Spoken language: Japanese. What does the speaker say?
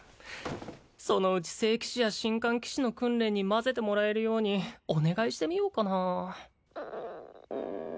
そのうち聖騎士や神官騎士の訓練にまぜてもらえるようにお願いしてみようかな